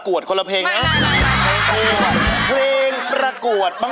สวัสดีครับ